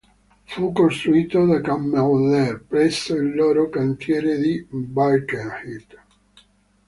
Fu costruito da Cammell Laird presso il loro cantiere di Birkenhead.